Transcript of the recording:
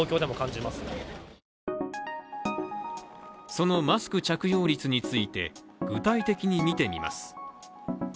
そのマスク着用率について具体的に見てみます。